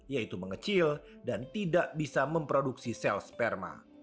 yaitu mengecil dan tidak bisa memproduksi sel sperma